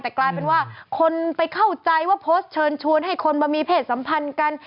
แต่กลายเป็นว่าคนไปเข้าใจว่าโพสต์เชิญชวนให้คนมามีเพศสัมพันธ์กัน